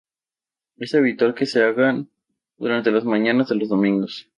Es habitual que se hagan durante las mañanas de los domingos.